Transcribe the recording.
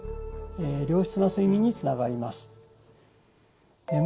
良質な睡眠につながります。